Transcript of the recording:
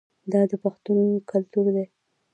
دا د پښتنو کلتور دی.